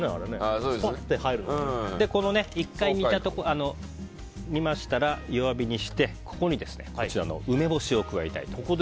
１回煮ましたら弱火にして梅干しを加えたいと思います。